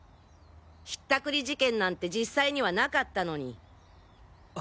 引ったくり事件なんて実際にはなかったのに。